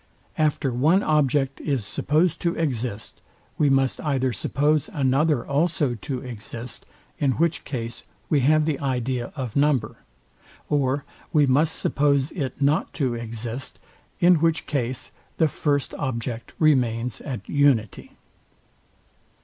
After one object is supposed to exist, we must either suppose another also to exist; in which case we have the idea of number: Or we must suppose it not to exist; in which case the first object remains at unity.